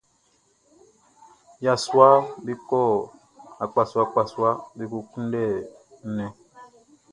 Yasuaʼm be kɔ akpasuaakpasua be ko kunndɛ nnɛn.